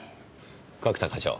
角田課長